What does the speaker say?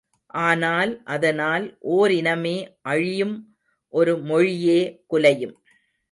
ஆனால் அதனால் ஓரினமே அழியும் ஒரு மொழியே குலையும்.